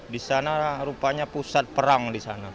di sana rupanya pusat perang